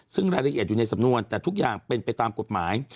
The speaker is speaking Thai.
ซึ่งรายละเอียดอยู่ในสำนวนแต่ทุกอย่างเป็นไปตามกฎหมาย